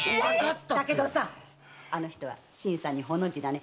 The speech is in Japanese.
だけどさあの人は新さんにホの字だね。